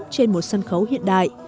trên một sân khấu hiện đại